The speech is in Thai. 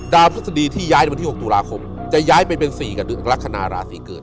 ดาวพฤษฎีที่ย้ายที่๖ตุลาคมจะย้ายเป็นสี่การลักษณะรา